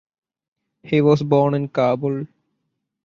He was born in Kabul.